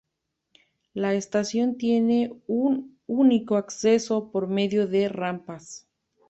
La estación tiene un único acceso, por medio de rampas.